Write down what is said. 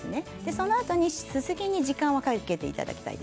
そのあと、すすぎに時間をかけていただきたい。